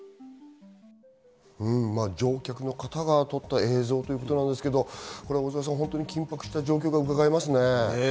乗客の方が撮った映像ということなんですけど、本当に緊迫した状況がうかがえますね。